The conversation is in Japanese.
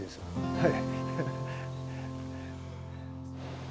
はい。